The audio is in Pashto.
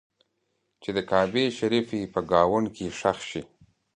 چې د کعبې شریفې په ګاونډ کې ښخ شي.